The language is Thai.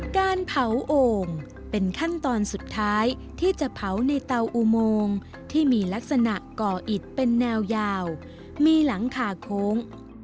การเผาโอ่งเป็นขั้นตอนสุดท้ายที่จะเผาในเตาอุโมงที่มีลักษณะก่ออิดเป็นแนวยาวมีหลังคาโค้ง